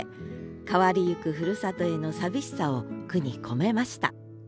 変わりゆくふるさとへの寂しさを句に込めました